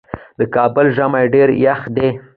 د کابل ژمی ډیر یخ دی